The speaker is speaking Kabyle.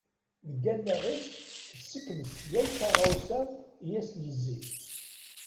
Deg alaɣ-is tessekles yal taɣawsa i as-d-yezzin.